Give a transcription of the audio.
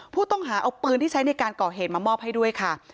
ผู้ต้องหาเอาปืนที่ใช้ในการก่อเหตุมามอบให้ด้วยค่ะ